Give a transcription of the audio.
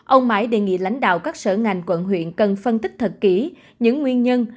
ông mãi đề nghị lãnh đạo các sở ngành quận huyện cần phân tích thật kỹ những nguyên nhân